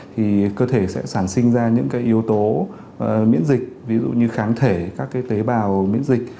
thì cơ thể sẽ sản sinh ra những yếu tố miễn dịch ví dụ như kháng thể các tế bào miễn dịch